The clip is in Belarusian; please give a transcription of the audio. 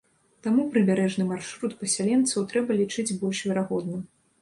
Таму прыбярэжны маршрут пасяленцаў трэба лічыць больш верагодным.